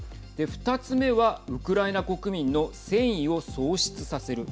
２つ目はウクライナ国民の戦意を喪失させる。